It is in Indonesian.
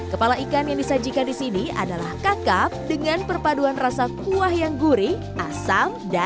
kepala ikan yang disediakan oleh kepala ikan lainnya ada di jalan perak timur surabaya